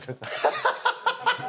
ハハハハ！